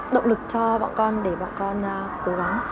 động lực cho bọn con để bọn con cố gắng